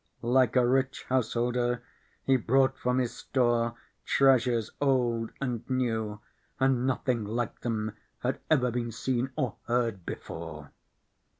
Like a rich householder, he brought from his store treasures old and new, and nothing like them had ever been seen or heard before.